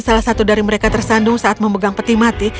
salah satu dari mereka tersandung saat memegang peti mati